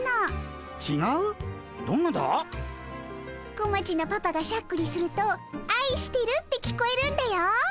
こまちのパパがしゃっくりすると「あいしてる」って聞こえるんだよ。